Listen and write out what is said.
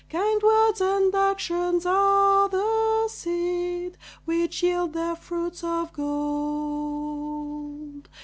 Kind words and actions are the seed Which yield their fruits of gold.